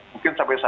mungkin sampai satu